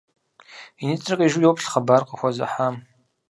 И нитӏыр къижу йоплъ хъыбар къыхуэзыхьам.